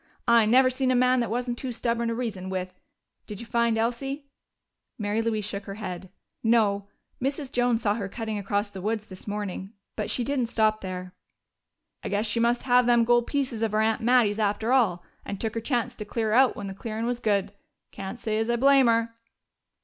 "I never seen a man that wasn't too stubborn to reason with. Did you find Elsie?" Mary Louise shook her head. "No. Mrs. Jones saw her cutting across the woods this morning. But she didn't stop there." "I guess she must have them gold pieces of her aunt Mattie's after all, and took her chance to clear out when the clearin' was good. Can't say as I blame her!"